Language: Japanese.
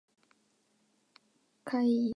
怪異